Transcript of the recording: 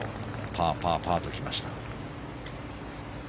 パー、パー、パーと来ました。